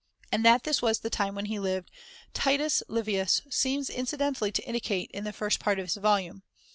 And that this was the time sophy when he lived Titus Livius seems incidentally to indicate in the first part of his volume.